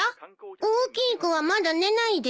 大きい子はまだ寝ないです。